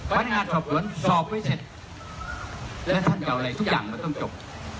พนักงานสอบสวนสอบไว้เสร็จและท่านจะเอาอะไรทุกอย่างมันต้องจบ